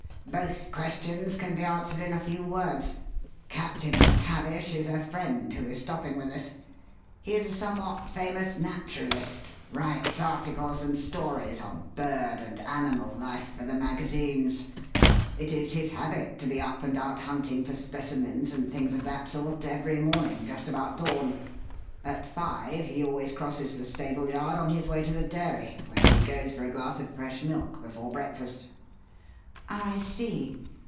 "Both questions can be answered in a few words. Captain MacTavish is a friend who is stopping with us. He is a somewhat famous naturalist. Writes articles and stories on bird and animal life for the magazines. It is his habit to be up and out hunting for 'specimens' and things of that sort every morning just about dawn. At five he always crosses the stable yard on his way to the dairy where he goes for a glass of fresh milk before breakfast." "I see.